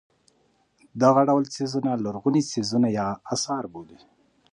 دغه ډول څیزونه لرغوني څیزونه یا اثار بولي.